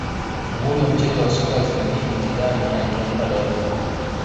nguli wa mchezo wa soka zinedine zidane alitundika daruga